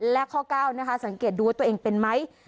และข้อ๙นะคะสังเกตดูว่าตัวเองเป็นไหม